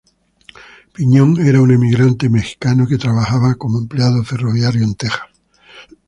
Piñón era un emigrante mexicano que trabajaba como empleado ferroviario en Texas.